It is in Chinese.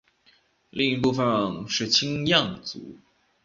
另一部分就是青羌族。